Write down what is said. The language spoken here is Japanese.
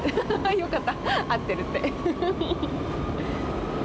よかった合ってるって。